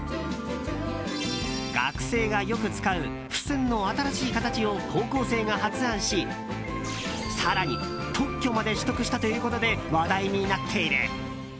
学生がよく使う付箋の新しい形を高校生が発案し更に特許まで取得したということで話題になっている。